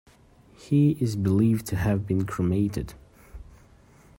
He is believed to have been cremated.